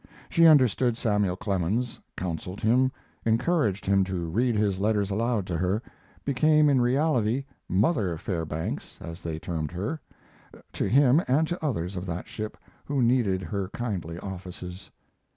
She understood Samuel Clemens, counseled him, encouraged him to read his letters aloud to her, became in reality "Mother Fairbanks," as they termed her, to him and to others of that ship who needed her kindly offices.